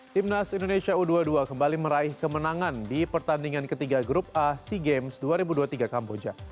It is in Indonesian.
timnas indonesia u dua puluh dua kembali meraih kemenangan di pertandingan ketiga grup a sea games dua ribu dua puluh tiga kamboja